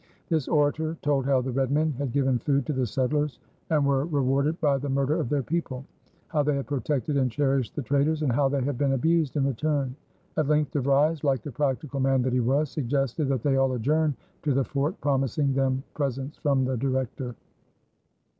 This orator told how the red men had given food to the settlers and were rewarded by the murder of their people, how they had protected and cherished the traders, and how they had been abused in return. At length De Vries, like the practical man that he was, suggested that they all adjourn to the Fort, promising them presents from the Director.